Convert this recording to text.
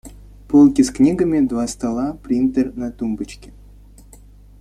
Полки с книгами, два стола, принтер на тумбочке.